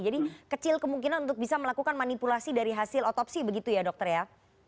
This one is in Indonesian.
jadi kecil kemungkinan untuk bisa melakukan manipulasi dari hasil otopsi begitu ya dokter ya